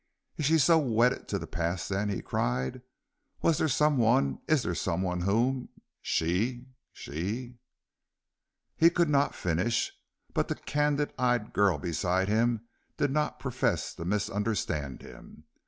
"Is she so wedded to the past, then?" he cried. "Was there some one, is there some one whom she she " He could not finish, but the candid eyed girl beside him did not profess to misunderstand him.